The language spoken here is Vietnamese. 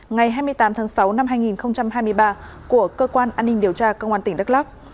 ngày hai mươi tám tháng sáu năm hai nghìn hai mươi ba của cơ quan an ninh điều tra công an tỉnh đắk lắc